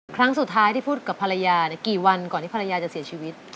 ครั้งสุดท้ายที่พูดกับภรรยากี่วันก่อนที่ภรรยาจะเสียชีวิต